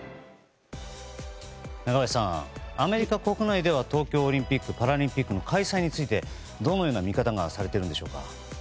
中林さんアメリカ国内では東京オリンピック・パラリンピックの開催について、どのような見方がされているんでしょうか。